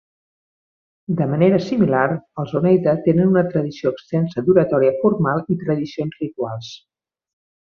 De manera similar, els Oneida tenen una tradició extensa d'oratòria formal i tradicions rituals.